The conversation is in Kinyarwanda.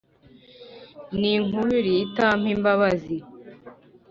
N'inkubiri itampa imbabazi.